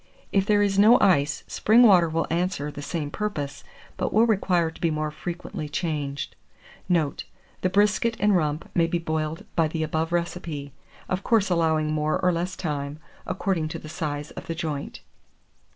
If there is no ice, spring water will answer the same purpose, but will require to be more frequently changed. Note. The BRISKET and RUMP may be boiled by the above recipe; of course allowing more or less time, according to the size of the joint.